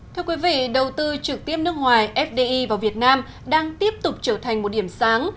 thưa quý vị đầu tư trực tiếp nước ngoài fdi vào việt nam đang tiếp tục trở thành một điểm sáng